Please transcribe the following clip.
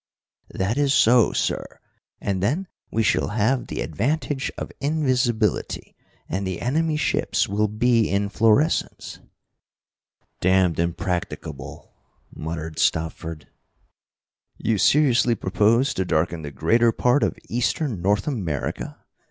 "That is so, sir, and then we shall have the advantage of invisibility, and the enemy ships will be in fluorescence." "Damned impracticable!" muttered Stopford. "You seriously propose to darken the greater part of eastern North America?"